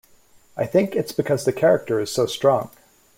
I think it's because the character is so strong.